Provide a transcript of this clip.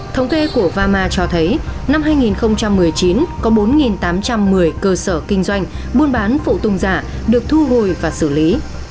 thống kê của vama cho thấy năm hai nghìn một mươi chín có bốn tám trăm một mươi cơ sở kinh doanh buôn bán phụ tùng giả được thu hồi và xử lý